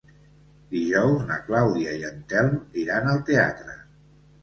Dijous na Clàudia i en Telm iran al teatre.